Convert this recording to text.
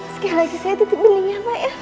sekali lagi saya titip beningnya mak ya